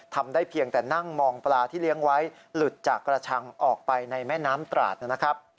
ทำได้เพียงแต่นั่งมองปลาที่เลี้ยงไว้หลุดจากกระชังออกไปในแม่น้ำตราดนะครับ